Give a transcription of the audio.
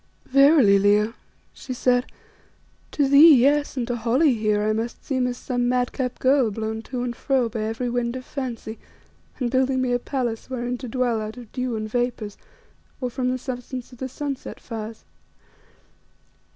"Verily, Leo," she said, "to thee, yes; and to Holly here I must seem as some madcap girl blown to and fro by every wind of fancy, and building me a palace wherein to dwell out of dew and vapours, or from the substance of the sunset fires.